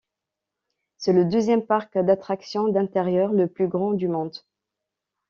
C'est le deuxième parc d'attractions d'intérieur le plus grand du monde.